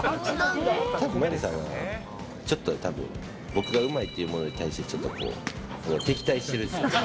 結構、丸さんはちょっとたぶん、僕がうまいっていうものに対して、ちょっとこう、敵対してるんですよ。